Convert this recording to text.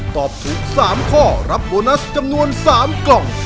ตอบถูก๓ข้อรับโบนัสจำนวน๓กล่อง